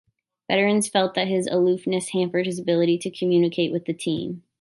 Veterans felt that his aloofness hampered his ability to communicate with the team.